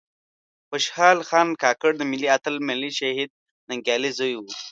خوشال خان کاکړ د ملي آتل ملي شهيد ننګيالي ﺯوې دې